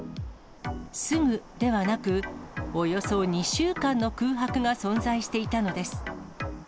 すぐではなく、およそ２週間の空白が存在していたのです。